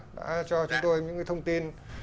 đã cho chúng tôi những thông tin